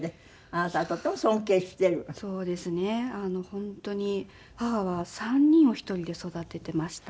本当に母は３人を１人で育てていましたので。